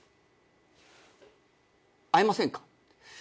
「会えませんか？」